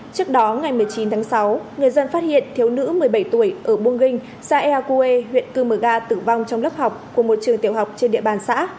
trước đó ngày một mươi chín tháng sáu người dân phát hiện thiếu nữ một mươi bảy tuổi ở buôn ginh xã ea cuê huyện cư mờ ga tử vong trong lớp học của một trường tiểu học trên địa bàn xã